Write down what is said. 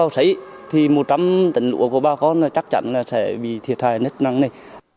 thì một trăm linh tấn lúa của bà con chắc chắn là sẽ bị thiệt hại nất năng này